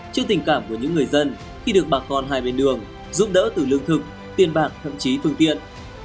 trước tình cảm của những người dân khi được bà con hai bên đường giúp đỡ từ lương thực tiền bạc thậm chí phương tiện